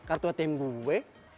kartu atm gue